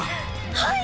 はい！